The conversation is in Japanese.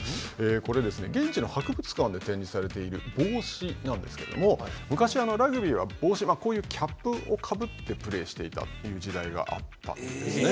これですね現地の博物館で展示されている帽子なんですけれども昔ラグビーは帽子こういうキャップをかぶってプレーしていたという時代があったんですね。